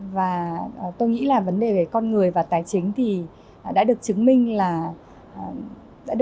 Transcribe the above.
và tôi nghĩ là vấn đề về con người và tài chính thì đã được chứng minh là